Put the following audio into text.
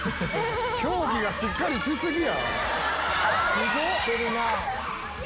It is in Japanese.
競技がしっかりしすぎや！